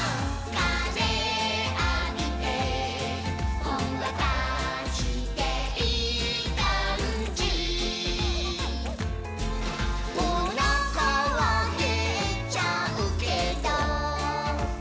「かぜあびてほんわかしていいかんじ」「おなかはへっちゃうけど」